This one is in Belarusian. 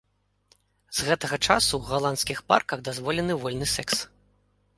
З гэтага часу ў галандскіх парках дазволены вольны секс.